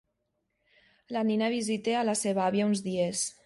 La Nina visita a la seva àvia uns dies.